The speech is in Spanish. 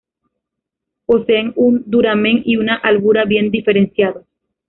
Posee un duramen y una albura bien diferenciados.